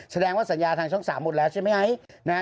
แสดงว่าสัญญาทางช่อง๓หมดแล้วใช่ไหม